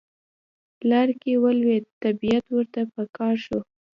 لار کې ولوید طبیعت ورته په قار شو.